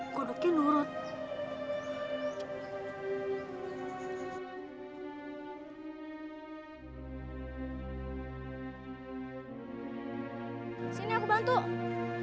aku janji gak akan bandul lagi